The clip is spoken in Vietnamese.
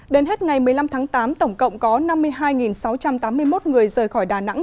đến hết ngày một mươi năm tháng tám tổng cộng có năm mươi hai sáu trăm tám mươi một người rời khỏi đà nẵng